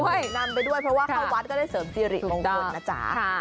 นำไปด้วยเพราะว่าเข้าวัดก็ได้เสริมสิริมงคลนะจ๊ะ